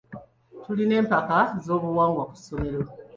Tulina empaka z'obuwangwa ku ssomero.